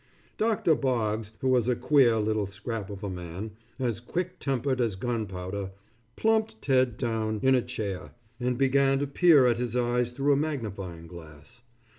Doctor Boggs, who was a queer little scrap of a man, as quick tempered as gunpowder, plumped Ted down in a chair, and began to peer at his eyes through a magnifying glass.